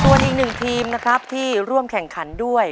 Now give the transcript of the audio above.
ส่วนอีกหนึ่งทีมนะครับที่ร่วมแข่งขันด้วย